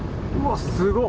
すごっ！